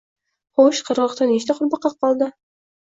Xoʻsh, qirgʻoqda nechta qurbaqa qoldi